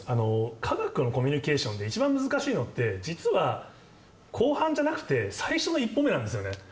科学のコミュニケーションで一番難しいのって、実は後半じゃなくて、最初の１歩目なんですよね。